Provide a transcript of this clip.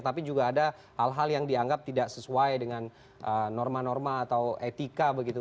tapi juga ada hal hal yang dianggap tidak sesuai dengan norma norma atau etika begitu